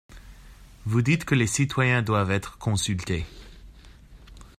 Vous dites que les citoyens doivent être consultés.